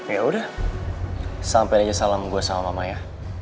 yaudah sampein aja salam gue sama mama ya